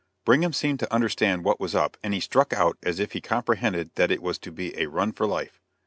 Brigham seemed to understand what was up, and he struck out as if he comprehended that it was to be a run for life.